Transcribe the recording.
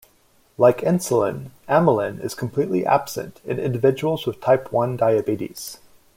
Like insulin, amylin is completely absent in individuals with Type One diabetes.